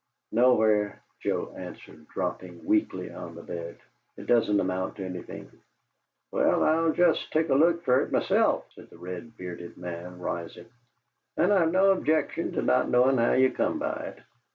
"Nowhere," Joe answered, dropping weakly on the bed. "It doesn't amount to anything." "Well, I'll take just a look fer myself," said the red bearded man, rising. "And I've no objection to not knowin' how ye come by it.